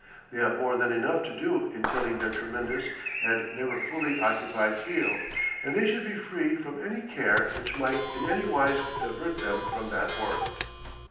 They have more than enough to do in tilling their tremendous and never fully occupied field, and they should be free from any care which might in any wise divert them from that work.